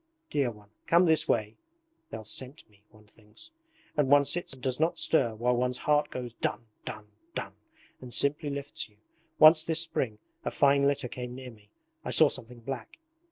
Dear one, come this way! "They'll scent me," one thinks; and one sits and does not stir while one's heart goes dun! dun! dun! and simply lifts you. Once this spring a fine litter came near me, I saw something black.